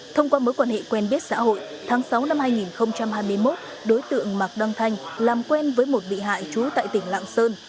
thông qua mối quan hệ quen biết xã hội tháng sáu năm hai nghìn hai mươi một đối tượng mạc đăng thanh làm quen với một bị hại trú tại tỉnh lạng sơn